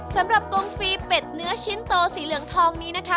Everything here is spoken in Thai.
กงฟรีเป็ดเนื้อชิ้นโตสีเหลืองทองนี้นะคะ